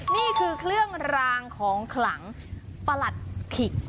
นี่คือเครื่องรางของขลังประหลัดขิก